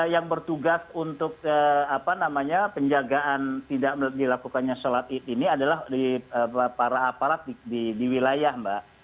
yang bertugas untuk penjagaan tidak dilakukannya sholat id ini adalah di para aparat di wilayah mbak